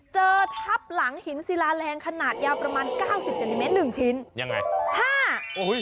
๔เจอทับหลังหินศิลาแรงขนาดยาวประมาณ๙๐เซนติเมตรอีก๑ชิ้น